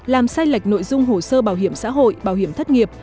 làm sai lệch nội dung hồ sơ bảo hiểm xã hội bảo hiểm thất nghiệp